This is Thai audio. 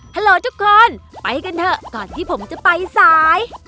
โหลทุกคนไปกันเถอะก่อนที่ผมจะไปสาย